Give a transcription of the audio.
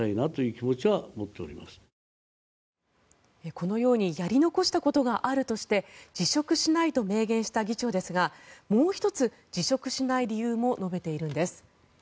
このようにやり残したことがあるとして辞職しないと明言した議長ですがもう１つ、辞職しない理由も述べているんです。